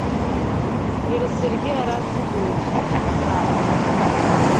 Иара саргьы ара сыҟоуижьҭеи шьҭа акрааҵуеит.